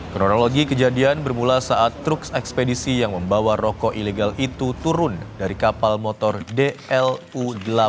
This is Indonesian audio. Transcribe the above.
kronologi kejadian bermula saat truk ekspedisi yang membawa rokok ilegal itu turun dari kapal motor dlu delapan